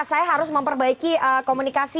saya harus memperbaiki komunikasi